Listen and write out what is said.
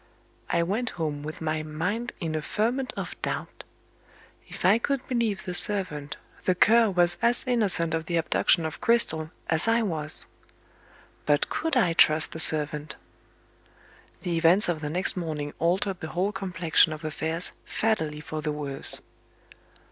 I went home with my mind in a ferment of doubt. If I could believe the servant, the Cur was as innocent of the abduction of Cristel as I was. But could I trust the servant? The events of the next morning altered the whole complexion of affairs fatally for the worse.